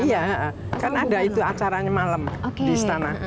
iya kan ada itu acaranya malam di istana